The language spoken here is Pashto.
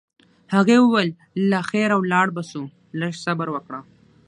هغې وویل: له خیره ولاړ به شو، لږ صبر وکړه.